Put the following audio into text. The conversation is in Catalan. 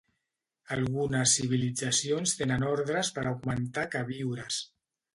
Algunes civilitzacions tenen ordres per augmentar queviures.